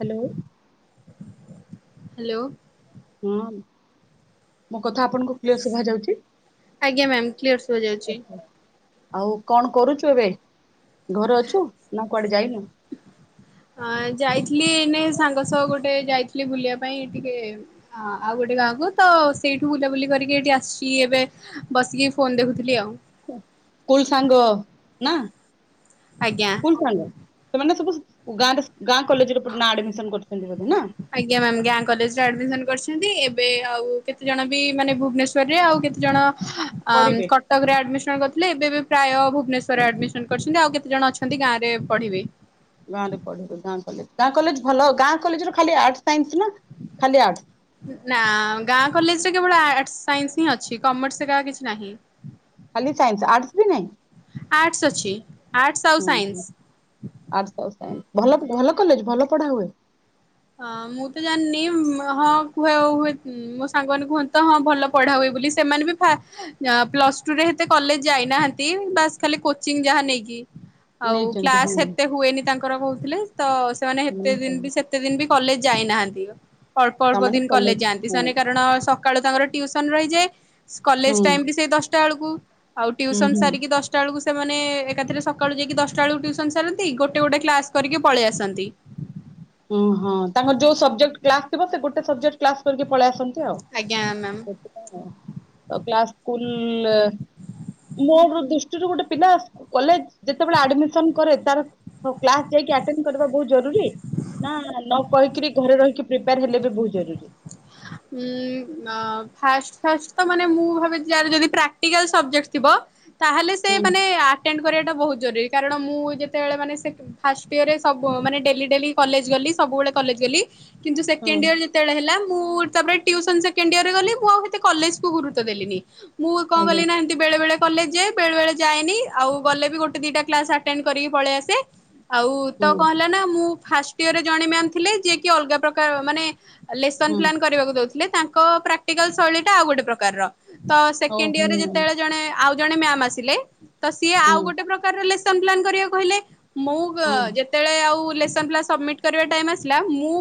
Hello. Hello. ହଁ। ମୋ କଥା ଆପଣଙ୍କୁ କ୍ଲିୟର ଶୁଭା ଯାଉଛି? ଆଜ୍ଞା ମ୍ୟାମ୍ କ୍ଲିୟର ଶୁଭା ଯାଉଛି। ଆଉ କଣ କରୁଛୁ ଏବେ ଘରେ ଅଛୁ ନା କୁଆଡେ ଯାଇନୁ? ହଁ ଯାଇଥିଲି ଏଇନେ ସାଙ୍ଗ ସଅ ଗୋଟେ ଯାଇଥିଲି ବୁଲିବା ପାଇଁ ଟିକେ ହଁ ଆଉ ଗୋଟେ ଗାଁକୁୁ ତ ସେଇଠୁ ବୁଲାବୁଲି କରିକି ଏଇଠି ଆସିଚି ଏବେ ବସିକି ଫୋନ ଦେଖୁଥିଲି ଆଉ। ସ୍କୁଲ୍ ସାଙ୍ଗ ନା ଆଜ୍ଞା। [unintelligible] ସେମାନେ ସବୁ ଗାଁରେ ଗାଁ କଲେଜରେ ପ ନାଁ ଆଡମିସନ କରୁଚନ୍ତି ବୋଧେ ନା ଆଜ୍ଞା ମ୍ୟାମ ଗାଁ କଲେଜରେ ଆଡମିସନ କରିଛନ୍ତି ଏବେ ଆଉ କେତେଜଣ ବି ମାନେ ଭୁବନେସ୍ଵର ଯଦି ଆଉ କେତେ ଜଣ କରିବେ। କଟକ ରେ ଆଡମିସନ କରିଥିଲେ ଏବେ ବି ପ୍ରାୟ ଭୁବନେଶ୍ୱରରେ ଆଡମିସନ କରିଚନ୍ତି ଆଉ କେତେ ଜଣ ଅଛନ୍ତି। ହେମତି ଗାଁ ରେ ପଢିବି। ଗାଁ ରେ ପଢିଲୁ ଗାଁ କଲେଜ ଗାଁ କଲେଜ ଭଲ ଗାଁ କଲେଜର ଖାଲି ଆର୍ଟ ସାଇନ୍ସ ନା ଖାଲି ଆର୍ଟ? ନା ଗାଁ କଲେଜରେ କେବଳ ଆର୍ଟସ ସାଇନ୍ସ ହିଁ ଅଛି କମର୍ସକା କିଛି ନାହିଁ। ଖାଲି ସାଇନ୍ସ ଆର୍ଟସ ବି ନାହିଁ? ଆର୍ଟସ୍ ଅଛି। ଆର୍ଟସ୍ ଆଉ ହୁଁ ହୁଁ ସାଇନ୍ସ ଆର୍ଟସ ଆଉ ସାଇନ୍ସ ଭଲ ଭଲ କଲେଜ ଭଲ ପଢା ହୁଏ? ହଁ ମୁଁ ତ ଜାଣିନି ହଁ କୁହା ହୁଏ ମୋ ସାଙ୍ଗମାନେ କୁହନ୍ତି ହଁ ଭଲ ପଢା ହୁଏ ବୋଲି ସେମାନେ ବିଫାଷ୍ଟେ ନା ପ୍ଲସ ଟୁରେହେତେ କଲେଜ ଯାଇନାହାନ୍ତି ବାସ୍ ଖାଲି କୋଚିଂ ଯାହା ନେଇକି ଆଉ ନେଇଛନ୍ତି କ୍ଲାସ ହୁଁ ହେତେ ହୁଏନି ତାଙ୍କର କୋହୁଥିଲେ ତ ସେମାନେ ହେତେ ଦିନ ବି ସେ ଏତେ ଦିନି ବି କଲେଜ ଯାଇନାହାନ୍ତି ଅଳ୍ପ ଅଳ୍ପ ତାମାନେ ଦିନ କଲେଜ ଯାଆନ୍ତି ହଁ ସେମାନେ କାରଣସ ସକାଳୁ ତାଙ୍କର ଟିଉସନ୍ ରହିଯାଏ କଲେଜ ହୁଁ ଟାଇମ୍ ବି ସେଇ ଦଶଟା ଆଳକୁ ଆଉ ହୁଁ ଟିଉସନ୍ ହୁଁ। ସାରିକି ଦଶ ଦଶଟା ଆଳକୁ ସେମାନେ ଏକାଥରେ ସକାଳୁ ଯାଇକି ଦଶଟା ବେଳକୁ ଟୁଉସନ ସାରନ୍ତି ଗୋଟେ ଗୋଟେ କ୍ଲାସ କରିକି ପଳେଇ ଆସନ୍ତି। ଓ ହଁ ତାଙ୍କର ଯୋଉ ସବଜେକ୍ଟ କ୍ଲାସ ଥିବ ସେ ଗୋଟେ ସବଜେକ୍ଟ କ୍ଲାସ କରିକି ପଳେଇ ଆସନ୍ତି। ଆଜ୍ଞା ମ୍ୟାମ୍। ଏମିତି ଆଉ ସେଥିପାଇଁ ହଁ ତ କ୍ଲାସ ସ୍କୁଲଲେ ମୋରୋ ଦୃଷ୍ଟିରୁ ଗୋଟେ ପିଲା କଲେଜ ଯେତେବେଳେ ଆଡମିସନ କରେ ତାର ହଉ କ୍ଲାସ ଯାଇକି ଆଟେନ୍ କରିବା ବୋହୁତ ଜରୁରୀ ନା ନ କହିକିରି ଘରେ ରହିକି ପ୍ରିପେୟାର ହେଲେ ବି ବୋହୁତ ଜରୁରୀ। ହୁଁ। ହଁ ଫାଷ୍ଟେ ଫାଷ୍ଟେ ତ ମାନେ ମୁଁ ଭାବେ ଯାହାର ଯଦି ପ୍ରାକ୍ଟିକାଲ ସବଜେକ୍ଟ ଥିବ ତାହେଲେ ସେ ହୁଁ ମାନେ ଆଟେଣ୍ଡ କରିବାଟା ବୋହୁତ ଜରୁରୀ କାରଣ ମୁଁ ଯେତେବେଳେ ମାନେ ସେ ଫାଷ୍ଟ ଇୟରରେ ସବୁ ମାନେ ଡେଲି ଡେଲି କଲେଜ ଗଲି ସବୁବେଳେ କଲେଜ ଗଲି। କିନ୍ତୁ ହୁଁ ସେକେଣ୍ଡ ଇୟର ଯେତେବେଳେ ହେଲା ମୁଁ ତାପରେ ଟିଉସନ ସେଣ୍ଡୟିଅରରେ ଗଲି ମୁଁ ଆଉ କଲେଜ କୁ ଗୁରୁତ୍ୱ ଦେଲିିନି ମୁଁ କଣ ଆଜ୍ଞା କଲିନା ଏମିତି ବେଳେ ବେଳେ କଲେଜ ଯାଏ ବେଳେ ବେଳେ ଯାଏନି ଆଉ ଗଲେ ବି ଗୋଟେ ଦିଟା କ୍ଲାସ୍ ଆଟେଣ୍ଡେ କରିକି ପଳେଇ ଆସେ। ଆଉ ତ ହୁଁ କଣ ହେଲା ନା ମୁଁ ଫାଷ୍ଟ ଇୟରରେ ଜଣେ ମ୍ୟାମ ଥିଲେ ଯିଏ କି ଅଲଗା ପ୍ରକାର ମାନେ ଲେସନ୍ ହୁଁ ପ୍ଲାନ୍ କରିବାକୁ ଦେଉଥିଲେ ତାଙ୍କ ପ୍ରାକ୍ଟିକାଲ୍ ଶୈଳୀଟା ଆଉ ଗୋଟେ ପ୍ରକାରର ତ ହଉ ସେକେଣ୍ଡ ହୁଁ ଇୟରରେ ଯେତେବେଳେ ଜଣେ ଆଉ ଜଣେ ମ୍ୟାାମ ଆସିଲେ ତ ସିଏ ଆଉ ହୁଁ ଗୋଟେ ପ୍ରକାରର ଲେ ସନ୍ ପ୍ଲାନ କରିବାକୁ କହିଲେ ମୁଁ ହୁଁ [unintelligible] ଯେତେବେଳେ ଆଉ ଲେସନ୍ ପ୍ଲାନ୍ ସବମିଟ୍ କରିବା ଟାଇମ୍ ଆସିଲା ମୁଁ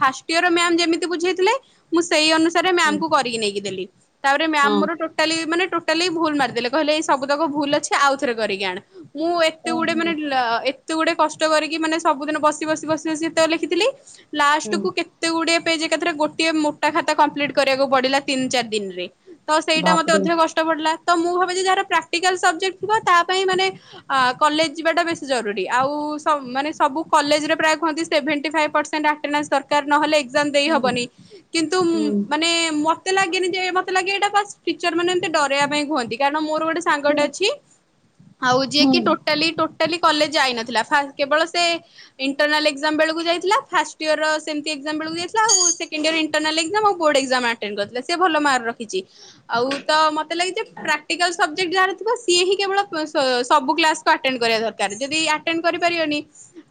ଫାଷ୍ଟ ଇୟର ମ୍ୟାମ୍ ଯେମିତି ବୁଝେଇ ଥିଲେ ମୁଁ ସେଇ ଅନୁସାରେ ହୁଁ ମ୍ୟାମ୍ କୁ କରିକି ନେଇକି ଦେଲି ତାପରେ ହଁ ମ୍ୟାମ୍ ମୋର ଟୋ ଟାଲି ମାନେ ଟୋଟାଲି ଭୁଲ ମାରିଦେଲେ କହିଲେ ଏଇ ସବୁତକ ଭୁଲ ଅଛି ଆଉ ରେ କରିକି ଆଣେ। ମୁଁ ଏତେ ହୁଁ ଗୁଡେ ମାନେ ହୁଁ [unintelligible] ତେ ଗୁଡେ କଷ୍ଟ କରିକି ମାନେ ସବୁଦିନ ବସି ବସି ବସି ବସି ଏତକ ଲେଖଥିଲି ହୁଁ ଲାଷ୍ଟକୁୁ କେ ତେ ଗୁଡିଏ ପେଜ ଏକାଥରେ ଗୋଟିଏ ମୋଟା ଖାତା କମ୍ପ୍ଲିଟ୍ କରିବାକୁ ପଡିଲା ତିନ ଚାର ଦିନରେ। ତ ସେଇଟା ମୋତେ ବାପରେ ଅଧିକ କଷ୍ଟ ପଡ଼ିଲା ତ ମୁଁ ଭାବି ଯେ ଯାହାର ପ୍ରାକ୍ଟିକାଲ୍ ସବଜେକ୍ଟ ଥିବ ତା ପାଇଁ ମାନେ ଆ କଲେଜ ଯିବାଟା ବେଶ ଜରୁରୀ ଆଉ ସ ମାନେ ସବୁ କଲେଜରେ ପ୍ରାୟ କୁହ ସେଭେଣ୍ଟି ଫାଇଭି ପଶେ ଆଟେନାଶ ଦରକାର ନହେଲେ ଏକ୍ସଜାମ ହୁଁ ଦେଈହବନି କିନ୍ତୁ ମୁଁ ହୁଁ ମାନେ ମୋ ମତେ ଲାଗେନି ଯେ ମୋତେ ଲାଗେ ଏଇଟା ଵାସ ଟିଚର ମାନେ ଏମିତି ଡରେଇବା ପାଇଁ କୁହନ୍ତି କାରଣ ମୋତେ ମୋର ଗୋଟେ ହୁଁ ସଙ୍ଗଟେ ଅଛି ଆଉ ଯିଏ କି ହୁଁ ଟୋଟାଳି ଟୋ ଟୋଟାଳି କଲେଜେ ଯାଇନଥିଲା ଫାଷ୍ଟ କେବଳ ସେ ଇଣ୍ଟରନାଲ ଏକ୍ସଜାମ ବେଳକୁ ଯାଇଥିଲା ଫାଷ୍ଟ ଏୟର ସେମିତି ଏକ୍ସଜାମ ବେଳକୁ ଯାଇଥିଲା ଆଉ କି ଇଣ୍ଟରନାଲ୍ ଏକ୍ସଜାମ ଆଉ ବୋର୍ଡ ଏକ୍ସଜାମ ଆଟେଣ୍ଟ କରିଥିଲା ସେ ଭଲ ମାର୍କ ରଖିଚି। ଆଉ ତ ମତେ ଲାଗେ ଯେ ପ୍ରାକ୍ଟିକାଲ ସବଜେକ୍ଟ ଯାହାର ଥିବ ସିଏ ହିଁ କେବଳ ସ ସବୁ କ୍ଲାସ ତ ଆଟେଣ୍ଟେ କରିବା ଦରକାର ଯଦି ଆଟେଣ୍ଟେ କରିପାରିବନି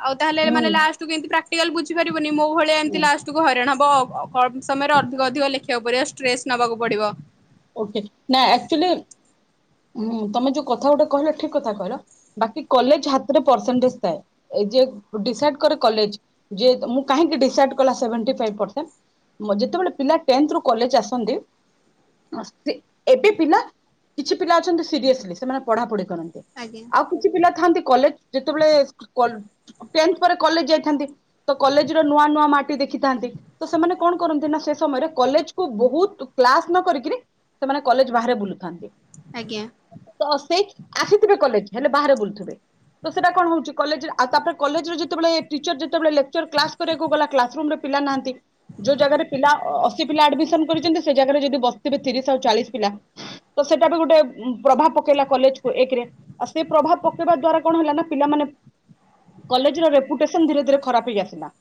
ଆଉ ତାହେଲେ ହୁଁ ମାନେ ଲାଷ୍ଟ କୁ ଏମିତି ପ୍ରାଟିଆଲ ବୁଝି ପାରିବନି ମୋ ଭଳି ଏମିତି ହୁଁ ଲାଷ୍ଟ କୁ ହଇରାଣ ହବ। କମ ସମୟରେ ଅଧିକ ଅଧିକ ଲେଖିବାକୁ ପଡିବ ଷ୍ଟ୍ରେସ ନେବାକୁ ପଡିବ। ଓକେ ନା ଆକ୍ଚୁଆଲି ଉଁ ତମେ ଯୋଉ କଥା ଗୋଟେ କହିଲ ଠିକ କଥା କହିଲ। ବାକି କଲେଜ ହାତରେ ପରସେଣ୍ଟେଜ ଥାଏ ଏ ଯେ ଡିସାଇଡି କରେ କଲେଜ। ଯିଏ ତମୁ କାହିଁକି ଡିସାଡି କଲା ସେଭେଣ୍ଟୀଫାଇଭ ପ୍ରସେଣ୍ଟ? ଯେତେବେଳେ ପିଲା ଟେନ୍ଥ ରୁ କଲେଜ ଆସନ୍ତି ଅସ୍ତି ଏବେ ପିଲା କିଛିପିଲା ଅଛନ୍ତି ସିରିଏସ ସେମାନେ ପଢାପଢି କରନ୍ତି। ଆଜ୍ଞା। ଆଉ କିଛି ପିଲା ଥାନ୍ତି କଲେଜ ଯେତେବେଳେ କ ଟେନ୍ଥ ପରେ କଲେଜ ଯାଇଥାନ୍ତି। ତ କଲେଜର ନୂଆ ନୂଆ ମାଟି ଦେଖିଥାନ୍ତି। ତ ସେମାନେ କଣ କରନ୍ତି ନା ସେ ସମୟରେ କଲେଜକୁ ବହୁତ କ୍ଲାସ ନ କରିକି ସେମାନେ କଲେଜ ବାହାରେ ବୁଲୁଥାନ୍ତି। ଆଜ୍ଞା। ତ ସେ ଆସିଥିବେ କଲେଜ ହେଲେ ବାହାରେ ବୁଲୁଥିବେ। ତ ସେଇଟା କଣ ହଉଛି କଲେଜ ଆଉ ତାପରେ କଲେଜରେ ଯେତେଳେ ଟିଚର ଯେତେବେ ଲେଚର କ୍ଲାସ କରିଆକୁ ଗଲା କ୍ଲାସରୁମ ରେ ପିଲା ନାହାନ୍ତି ଯୋଉ ଜାଗାରେ ପିଲା ଅଶୀ ପିଲା ଆଡମିସନ କରିଛନ୍ତି ସେ ଜାଗାରେ ଯଦି ବସିଥିବେ ତିରିଶ ଆଉ ଚାଳିଶ ପିଲା ତ ସେଇଟା ବି ଗୋଟେ ପ୍ରଭାବ ପକେଇଲା କଲେଜକୁ ଏକରେ ଆଉ ସେ ପ୍ରଭାବ ପକେଇବା ଦ୍ଵାରା କଣ ହେଲା ନା ପିଲାମାନେ କଲେଜ ର ରେପୁଟେସନ ଧୀରେଧୀରେ ଖରାପ ହେଇ ଆସିଲା।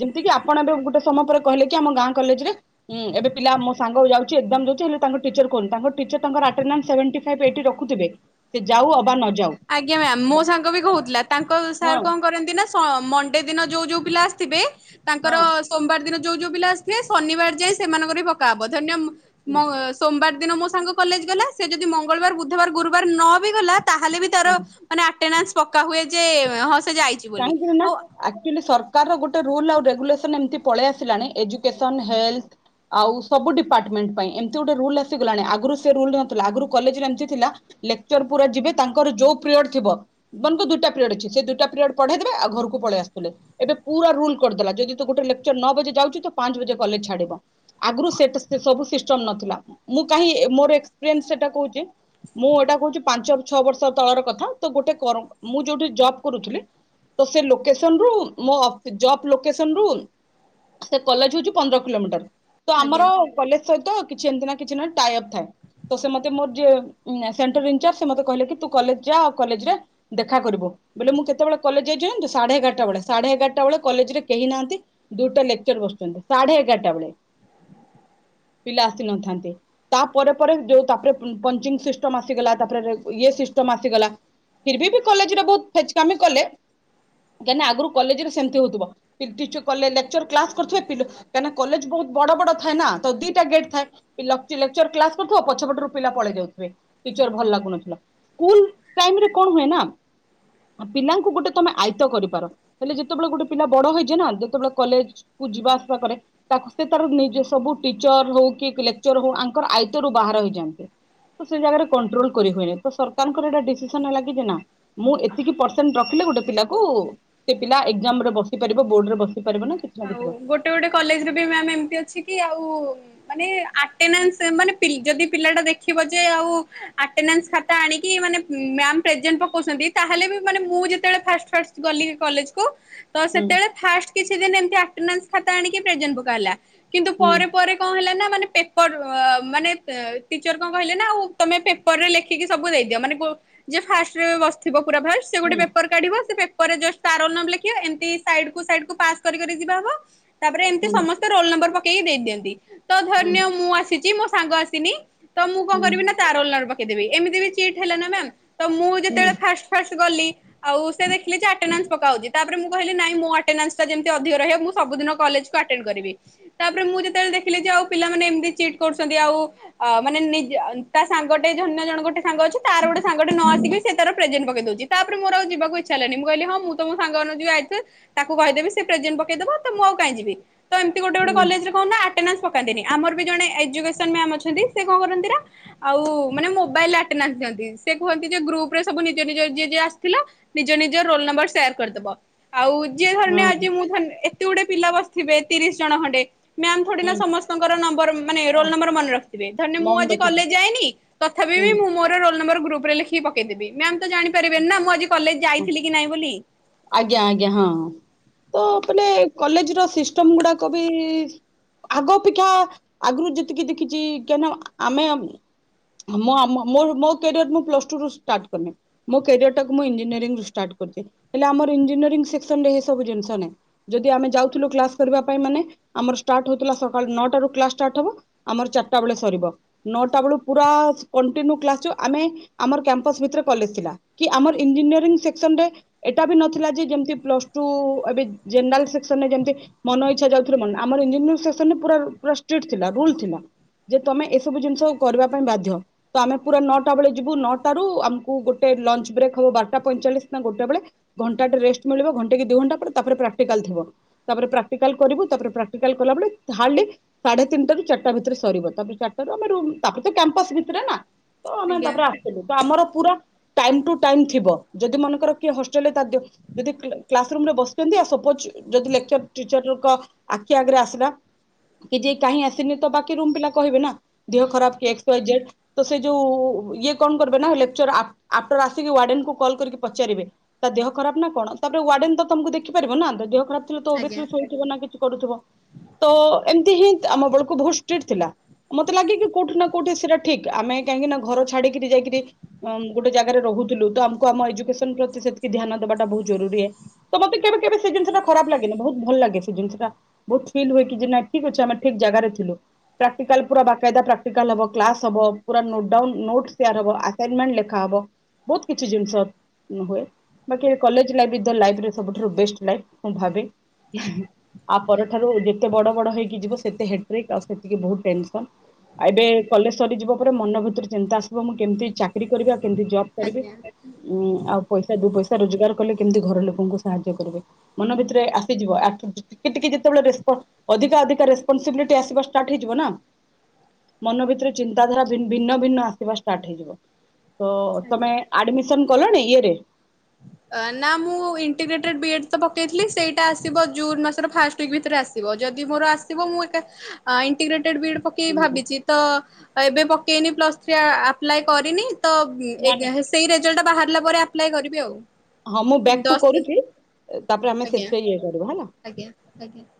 ଯେମିତି କିି ଆପଣ ଏବେ ଗୋଟେ ସମୟ ପରେ କହିଲେ କି ଆମ ଗାଁ କଲେଜରେ ଉଁ ଏବେ ପିଲା ମୋ ସାଙ୍ଗ ଯାଉ ଚି ଏକ୍ସଜାମ ଦଉଚି ହେଲେ ତାଙ୍କ ଟିଚର କ ତାଙ୍କ ଟିଚର ତାଙ୍କର ଅଟେଡେନ୍ସ ସେଭଣ୍ଟିଫାଇଭ ଏଟି ରଖୁଥିବେ। ସେ ଯାଉ ଅବା ନଯାଉ। ଆଜ୍ଞା ମ୍ୟାମ୍ ମୋ ସାଙ୍ଗ ବି କହୁଥିଲା ତାଙ୍କ ସାର ହଁ କଣ କରନ୍ତି ନା ସ ମଣ୍ଡେ ଦିନ ଯୋଉ ଯୋଉ ପିଲା ଆସିଥିବେ ତାଙ୍କର ହଁ ସୋମବାର ଦିନ ଯୋଉ ଯୋଉ ପିଲା ଆସିଥିଏ ଶନିବାର ଯାଇ ସେମାନଙ୍କର ବି ପକା ହବ ଧରିନିଅ ହୁଁ ମଁ ସୋମବାର ଦିନ ମୋ ସାଙ୍ଗ କଲେଜ ଗଲା ସେ ଯଦି ମଙ୍ଗଳବାର, ବୁଧବାର, ଗୁରୁବାର ନ ବି ଗଲା ତାହେଲେ ବି ତାର ହୁଁ। ମାନେ ଆଟେନେସ ପକା ହୁଏ ଯେ ହଁ ସେ ଯାଇଛି। ବୋଲି। କାହିଁକି ନା ଆଉ ଆକ୍ଚୁଲି ସର ର ଗୋଟେ ରୁଲ ଆଉ ରେଗୁଲେସନ ଏମିତି ପଳେଇ ଆସିଲାଣି ଏଜୁକେସନ ହେଲ୍ଥ ଆଉ ସବୁ ଡିପାଟମେଣ୍ଟ ପାଇଁ ଏମିତି ଗୋଟେ ରୁଲ ଆସିଗଲାଣି ଆଗରୁ ସେ ରୁଲରେ ନଥିଲା ଆଗରୁ କଲେଜରେ ଏମିତି ଥିଲା ଲେକ୍ଚର ପୁରା ଯିବେ ତାଙ୍କର ଯୋଉ ପ୍ରିଅଡ ଥିବ ଦନ୍ତୁ ଦୁଇଟା ପ୍ରିଅଡ଼ ଅଛି ସେ ଦୁଟା ପ୍ରି ପଢେଇ ଦେବେ ଆଉ ଘରକୁ ପଳେଇ ଆସୁଥିଲେ। ଏବେ ପୁରା ରୁଲ କରିଦେଲା ଯଦି ତୁ ଗୋଟେ ଲେକ୍ଚର ନଅ ବଜେ ଯାଉଚି ତ ପାଞ୍ଚ ବାଜେ କଲେଜ ଛାଡିବ। ଆଗୁରୁ ସେଟେ ସବୁ ସିଷ୍ଟମ ନଥିଲା। ମୁଁ କାହିଁ ମୋର ଏକ୍ସପିରିଏନ୍ସ ସେଟା କହୁଛି ମୁଁ ଏଇଟା କହୁଛି ପାଞ୍ଚ ଛଅ ବର୍ଷ ତଳର କଥା ତ ଗୋଟେ କର ମୁଁ ଯୋଉଠି ଜବ୍ କରୁଥିଲି ତ ସେ ଲୋକେସନ୍‌ରୁ ମୋ ଅ ଜବ୍ ଲୋକେସନ୍‌ରୁ ସେ କଲେଜ୍‌ ହଉଛି ପନ୍ଦର କିଲୋମିଟର। ତ ଆଜ୍ଞା ଆମର କଲେଜ୍‌ ସହିତ କିଛି ଏମିତି ନା କିଛି ନା ଟାଇଅପ୍ ଥାଏ। ତ ସେ ମତେ ମୋର ଯିଏ ସେଣ୍ଟର ଇଞ୍ଚର୍ଜ ସେ ମତେ କହିଲେକି ତୁ କଲେଜ୍‌ ଯାଆ କଲେଜ୍‌ରେ ଦେଖାକରିବ ବେଲେ ମୁଁ କେତେବେଳେ କଲେଜ୍‌ ଯାଇଚି ଜାଣିଚୁ ସାଢେଏଗାରଟା ବେଳେ ସାଢେଏଗାରଟା ବେଳେ କଲେଜ୍‌ରେ କେହି ନାହାନ୍ତି। ଦୁଇଟା ଲେକ୍ଚର ବସୁଛନ୍ତି ସାଢେଏଗାରଟା ବେଳେ ପିଲା ଆସିନଥାନ୍ତି। ତା ପରେ ପରେ ଯୋଉ ତାପରେ ପଞ୍ଚିଙ୍ଗ ସିଷ୍ଟମ୍ ଆସିଗଲା ତାପରେ ଇଏ ସିଷ୍ଟମ୍ ଆସିଗଲା। ଫିର୍ ବି ବି କଲେଜ୍‌ରେ ବହୁତ ଫେଚ୍‌କାମି କଲେ। କାଁ ନା ଆଗରୁ କଲେଜରେ ସେମିତି ହଉଥିବ। ପି ଟିଚ କଲେ ଲେଚର କ୍ଲାସ କରୁଥିବେ ପି କାଇନା କଲେଜ ବହୁତ ବଡବଡ ଥାଏନା। ତ ଦିଟା ଗେଟ୍‌ଥାଏ। ପି ଲ ଲେଚର କ୍ଲାସ କରୁଥିବ ପଛପଟରୁ ପିଲା ପଳେଇ ଯାଉଥିବେ ଟିଚର ଭଲ ଲାଗୁନଥିଲା। ସ୍କୁଲ ଟାଇମ୍ ରେ କଣ ହୁଏ ନା ପିଲାଙ୍କୁ ଗୋଟେ ତମେ ଆଇତ କରିପାର ହେଲେ ଯେତେବେଳେ ଗୋଟେ ପିଲା ବଡ ହେଇଛେ ନା ଯେତେବେଳେ କଲେଜ କୁ ଯିବା ଆସିବା କରେ ତାକୁ ସେ ତାର ନିଜ ସବୁ ଟିଚର ହଉ କି ଲେକ୍ଚର ହଉ ଆଙ୍କର ଆଇତରୁ ବାହାର ହେଇଯାଆନ୍ତି। ତ ସେ ଜାଗାରେ କଣ୍ଟ୍ରୋଲ କରି ହୁଏନି ତ ସରକାରଙ୍କର ଏଟା ଡିସିସନ ହେଲା କି ଯେ ନା। ମୁଁ ଏତିକି ପର୍‌ସେଣ୍ଟ ରଖିଲେ ଗୋଟେ ପିଲା କୁ ସେ ପିଲା ଏକ୍ଜାମ ରେ ବସି ପାରିବ ବୋର୍ଡ ରେ ବସି ପାରିବ ନା କିଛି ନା କିଛି ର ଗୋଟ ଗୋଟେ କଲେଜରେ ବି ମ୍ୟାମ୍ ଏମିତି ଅଛି କି ଆଉ ମାନେ ଆଟେନାନ୍ସ ମାନେ ପି ଯ ଯଦି ପିଲାଟା ଦେଖିବ ଯେ ଆଉ ଆଟେନାନ୍ସ ଖାତା ଆଣିକି ମାନେ ମ୍ୟାମ୍ ପରସେଣ୍ଟ ପକୋଉଛନ୍ତି ତାହାଲେ ବି ମୁଁ ଯେତେ ବେଳେ ଫାଷ୍ଟ ଫାଷ୍ଟ ଗଲି କଲେଜ୍‌ କୁ। ତ ହୁଁ ସେତେ ବେଳେ ଫାଷ୍ଟ କିଛି ଦିନି ଏମିତି ଆଟ୍ନାଶ ଖାତା ଆଣିକି ପ୍ରଜେଣ୍ଟ ପକାଗଲା। କିନ୍ତୁ ହୁଁ ପରେ ପରେ କଣ ହେଲା ନା ମାନେ ପେପର ମାନେ ଟିଚର କଣ କହିଲେ ନା ଆଉ ତମେ ପେ ପରେ ଲେଖିକି ସବୁ ଦେଇଦିଅ ମାନେ ଯିଏ ଫାଷ୍ଟ ରେ ବସିଥିବ ପୁରା ଫାଷ୍ଟ। ସେ ଗୋଟେ ହୁଁ ପେପର କାଢିବ। ସେ ପେପରରେ ଜଷ୍ଟ ତା ରୋଲ୍ ର ନମ୍ବର ଲେଖିବ ଏମିତି ସାଇଡ୍‌ କୁ ସାଇଡ୍‌ ପାସ୍ ଜି ହବ ତାପରେ ଏମିତି ହୁଁ ସମସ୍ତେ ରୋଲ ନମ୍ବର ପକେଇକି ଦେଇ ଦିଅନ୍ତି। ତ ହୁଁ ଧରିନିଅ ମୁଁ ଆସିଛି ମୋ ସାଙ୍ଗ ଆସିନି ତ ମୁଁ କଣ ହୁଁ କରିବି ନା ତା ରୋଲ୍ ନମ୍ବର ପକେଇଦେବି ଏମିତି ବି ଚିଟ୍ ହେଲାନା ମ୍ୟାମ୍ ତ ମୁଁ ହୁଁ ଯେତେବେଳେ ଫାଷ୍ଟ ଫାଷ୍ଟ ଗଲି। ଆଉ ସେ ଦେଖିଲି ଆଟେନାନ୍ସ ପକାହଉଛି ତାପରେ ମୁଁ କହିଲି ନାଇଁ ମୋ ଆଟେନାନ୍ସ ଯେମିତି ଅ ଅଧିକ ରହିବ ମୁଁ ସବୁଦିନ କଲେଜ୍‌କୁ ଆଟେନ୍‌ କରିବି। ତାପରେ ମୁଁ ଯେତେବେଳେ ଦେଖିଲି ଯେ ଆଉ ପିଲାମାନେ ଏମିତି ଚିଟ୍ କରୁଛନ୍ତି। ଆଉ ଅ ମାନେ ନିଜ ତା ସାଙ୍ଗଟେ ଜନ୍ୟ ଜଣ ଗୋଟେ ସାଙ୍ଗ ଅଛି ତାର ଗୋଟେ ସାଙ୍ଗଟେ ନ ଆସିକି ସେ ତାର ପ୍ରେଜେଣ୍ଟ ପକେଇ ଦଉଛି ତାପରେ ମୋର ଆଉ ଯିବାକୁ ଇଛା ହେଲାନି। ମୁଁ କହିଲି ମୁଁ ତ ମୋ ସାଙ୍ଗ ମାନଙ୍କୁ ଯିଏ ଆଇଥିବେ ତାକୁ କହିଦେବି। ତ ପ୍ରେଜେଣ୍ଟ ପକେଇଦବ ତ ମୁଁ ଆଉ କାଇଁ ଯିବି। ତ ଏମିତି ଗୋଟେ ଗୋଟେ ହୁଁ କଲେଜ୍‌ରେ କଉନ ଏଟେନାନ୍ସ ପକାନ୍ତିନି ଆମର ବି ଜଣେ ଏଜୁକେସନ୍ ମ୍ୟାମ୍ ଅଛନ୍ତି ସେ କଣ କରନ୍ତି ନା ଆଉ ମାନେ ମୋବାଇଲ୍ ଆଟେନାନ୍ସ ଦିଅନ୍ତି। ସେ କୁହନ୍ତି ଯେ ଗ୍ରୁପ୍ ରେ ସବୁ ନିଜ ନିଜ ଯିଏ ଯିଏ ଆସିଥିଲା। ନିଜ ନିଜର ରୋଲ୍ ନମ୍ବର ସେୟାର କରିଦବ। ଆଉ ଯିଏ ଧରିନିଅ ହଁ ଆଜି ମୁଁ ଏତେ ଗୋଟେ ପିଲା ବସିଥିବେ ତିରିଶ ଜଣ ଖଣ୍ଡେ। ମ୍ୟାାମ ଥୋଡିନା ହୁଁ ସମସ୍ତଙ୍କର ନମ୍ବର ମାନେ ରୋଲ ହଁ ନମ୍ବର ମନେ ରଖିଥିବେ। ଧରି ନିଅ ମୁଁ ଆ ମଉନ ରଖିଛ କଲେଜ୍‌ ଯାଇନି। ତଥାପି ହୁଁ ବି ମୁଁ ମୋ ରୋଲ ନମ୍ବର ଗ୍ରୁପ୍ ରେ ଲେଖିକି ପକେଇ ଦେବି। ମ୍ୟାାମ ତ ଜାଣି ପାରିବନି ନା ମୁଁ ଆଜି କଲେଜ୍‌ ହଁ ଯାଇଥିଲି କି ନାଇଁ ବୋଲି? ଆଜ୍ଞା ଆଜ୍ଞା ହଁ ତ ତମେ କଲେଜ୍‌ ର ସିଷ୍ଟମ୍ ଗୁଡାକ ବି ଆଗ ଅପେକ୍ଷା ଆଗରୁ ଯେତିକି ଦେଖିଛି କେନ ଆମେ ମୋ ଆମ ମୋ ମୋ କ୍ୟାରିୟର ମୁଁ ପ୍ଲସ ଟୁ ରୁ ଷ୍ଟାର୍ଟ କନି। ମୋ କ୍ୟାରୟର ଟାକୁ ମୁଁ ଇଞ୍ନିୟରିଂ ରୁ ଷ୍ଟାର୍ କରଚି ହେଲେ ଆମର ଇଞ୍ଜିନିରିଂ ସେକ୍ସନ ରେ ଏ ସବୁ ଜିନିଷ ନାହିଁ। ଯଦି ଆମେ ଯାଉଥିଲୁ କ୍ଲାସ କରିବା ପାଇଁ ମାନେ ଆମର ଷ୍ଟାର୍ଟ ହଉଥିଲା ସକାଳ ନଅ ଟାରୁ କ୍ଲାସ ଷ୍ଟାର୍ଟ ହବ। ଆମର ଚାରିଟା ବେଳେ ସରିବ। ନଅଟା ବେଳୁ ପୁରା କଣ୍ଟିନ୍ୟୁ କ୍ଲାସ ଆମେ ଆମର କ୍ୟାମ୍ପସ ଭିତରେ କଲେଜ ଥିଲା। କି ଆମର ଇଞ୍ଜିନିୟରିଂ ସେକ୍ସନ ରେ ଏଟା ବି ନଥିଲା ଯେ ଯେମିତି ପ୍ଲସ୍ ଟୁ ଏବେ ଜେନେରାଲ୍ ସେକ୍ସନରେ ଯେମିତି ମନ ଇଚ୍ଛା ଯାଉଥିଲେ ମନ ଆମର ଇଞ୍ଜିନୟରିଂ ସେକ୍ସନ ରେ ପୁର ଷ୍ଟ୍ରିକ୍ଟ ଥିଲା ଭୁଲ ଥିଲା। ଯେ ତମେ ଏସବୁ ଜିନିଷ କରିବା ପାଇଁ ବାଧ୍ୟ। ତ ଆମେ ପୁରା ନଅଟା ବେଳେ ଯିବୁ। ନଅଟା ରୁ ଆମକୁ ଗୋଟେ ଲଞ୍ଚ ବ୍ରେକ୍ ହବ ବାରଟା ପଇଁଚାଳିଶ ନା ଗୋଟେ ବେଳେ। ଘଣ୍ଟା ଟେ ରେଷ୍ଟ ମିଳିବ ଘଣ୍ଟା କି ଦି ଘଣ୍ଟା ତାପରେ ପ୍ରାକ୍ଟିକାଲ ଥିବ। ତାପରେ ପ୍ରାକ୍ଟିକାଲ କରିବୁ ତାପରେ ପ୍ରାକ୍ଟିକାଲ କଲାବେଳେ ହାଡଲି ସାଢେ ତିନି ରାରୁ ଚାରିଟା ଭିତରେ ସରିବ ତାପରେ ଚାରିଟା ରୁ ଆମେ ରୁମ୍ ତାପରେ ତ କ୍ୟାମ୍ପସ ଭିତରେ ନା ତ ଆମେ ଆଜ୍ଞା ତାପରେ ଆସିଲୁ ତ ଆମର ପୁରା ଟାଇମ ଟୁ ଟାଇମ ଥିବ ଯଦି ମାନଙ୍କର କିଏ ହ ଯଦି କ୍ସ ର ରେ ବସିଛନ୍ତିପୋଜ ଯଦି ଲେଚର ଟିଚରଙ୍କ [unintelligible] ଆଖି ଆଗରେ ଆସିଲା କି ଯେ କାହିଁ ଆସନି ତ ବାକି ରୁମ ପିଲା କହିବେ ନା। ଦିହ ଖରାପ କି ଏକ୍ସ ୱାଇ ଜେଡ଼ ତ ସେ ଯୋଉ ଇଏ କଣ କରିବେ ନା ଲେଚର ଆ ଆଫ୍ଟର ଆସିକି ୱାର୍ଡେନକୁ କଲ୍ କରିକି ପଚାରିବେ। ତା ଦିହ ଖରାପ ନା କଣ ତାପରେ ୱାଡେନ ତ ତମକୁ ଦେଖିପାରିବ ନା ତ ଦେହ ଖରାପ ଥିଲା ତ ଓବିୟସଲି [unintelligible] ନା କିଛି କରୁଥିବ ତ ଏମିତି ହିଁ ଆମ ବେଳକୁ ବହୁତ ଷ୍ଟ୍ରିକଟ ଥିଲା। ମତେ ଲାଗେ କି କୋଉଠି ନା କୋଉଠି ସେଟା ଠିକ ଆମେ କାହିଁକି ନା ଘର ଛଡିକିରି ଯାଇକିରି ଗୋଟେ ଜାଗାରେ ରହୁଥିଲୁ ତ ଆମକୁ ଆମ ଏଜୁକେସନ ପ୍ରତି ସେତିକି ଧ୍ୟାନ ଦେବାଟା ବହୁତ ଜରୁରୀ ହେ ତ ମତେ କେବେ କେବେ ସେ ଜିନିଟା ଖରାପ ଲାଗେ ନି ବହୁତ ଭଲ ଲାଗେ ସେ ଜିନିଷ ଟା। ବହୁତ ଫିଲ୍ ହୁଏ କି ଯେ ନା ଠିକ୍ ଅଛି ଆମେ ଠିକ୍ ଜାଗାରେ ଥିଲୁ। ପ୍ରାକ୍ଟିକାଲ ପୁରା ବାକାଇଦା ପ୍ରାକ୍ଟିକାଲ ହବ। କ୍ଲାସ୍ ହବ। ପୁରା ଲୋଡାଉନ୍ ନୋଟ୍ ସିଆର୍ ହବ। ଆକାଇମେଣ୍ଟ ଲେଖା ହବ। ବହୁତ କିଛି ଜିନିଷ ହୁଏ। ବାକି college life is the life ରେ ସବୁଠାରୁ ବେଷ୍ଟେ ଲାଇଫ୍ ମୁଁ ଭାବେ। ଆ ପରଠାରୁ ଯେତେ ବଡ ବଡ ହେଇକି ଯିବ ସେତେ ହେଟ୍ରିକ ଆଉ ସେତିକି ବହୁତ ଟେନସନ୍। ଆଉ ଏବେ କଲେଜ ସରିଯିବା ପରେ ମନ ଭିତରେ ଚିନ୍ତା ଆସିବ ମୁଁ କେମତି ଚାକିରି କରିବି ଆଉ କେମତି ଜବ୍ କରିବେ ଉଁ ଆଉ ପଇସା ଦୁଇ ପଇସା ରୋଜଗାର କଲେ କେମିତି ଘର ଲୋକଙ୍କୁ ସାହାଯ୍ୟ କରିବେ। ମନ ଭିତରେ ଆସିଯିବ ଆଠ ଟିକେ ଟିକେ ଯେତେବେଳେ ରେସପଟ ଅଧିକା ଅଧିକା ରେସ୍ପନସିବିଲିଟି ଆସିବା ଷ୍ଟାର୍ଟ ହେଇଯିବ ନାଁ ମନ ଭିତରେ ଚିନ୍ତାଧାରା ଭି ଭିହ୍ନ ଭିନ୍ନ ଆସିବା ଷ୍ଟାର୍ଟ ହେଇଯିବ। ତ ତମେ ଆଡମିସନ କଲଣି ଇଏ ରେ? ଏଁ ନାଁ ମୁଁ ଇଣ୍ଟିଗେଟେଡ ବି ଏଡ୍ ତ ପକେଇଥିଲି ସେଇଟା ଆସିବ ଜୁନ୍ ମାସର ଫାଷ୍ଟ ଟି ଭିତରେ ଆସିବ। ଯଦି ମୋର ଆସିବ ମୁଁ ଏକା ଏଁ ଇଣ୍ଡିଗ୍ରେଟେଡ଼ ବିଡ଼ି ପ କି ଭାବିଚି ତ ଏବେ ପକେଇନି ପ୍ଲସ୍ ଥିଇ ଆପ୍ଲାଇ କରିନି ତ ନା ନା ଏଗାସ୍ ସେଇ ରେଜଲ୍ଟ ବାହାରିଲା ପରେ ଆପ୍ଲାଏ କରିବି ଆଉ। ହଁ ମୁଁ ବ୍ୟାକ୍ ଟୁ ଦଶ କରୁଚି ତାପରେ ଆମେ ସେଥିପାଇଁ ଇଏ କରିବ ହେଲା! ଆଜ୍ଞା ଆଜ୍ଞା।